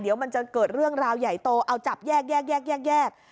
เดี๋ยวมันจะเกิดเรื่องราวใหญ่โตเอาจับแยกแยก